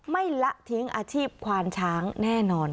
ไม่ละเทียงอาชีพควารช้างแน่นอน